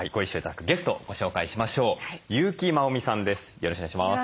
よろしくお願いします。